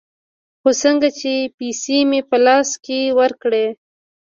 خو څنگه چې پيسې مې په لاس کښې ورکړې.